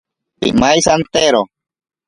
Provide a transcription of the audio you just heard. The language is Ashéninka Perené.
Pimaisantero.